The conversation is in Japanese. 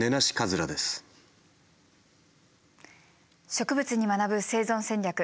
「植物に学ぶ生存戦略」。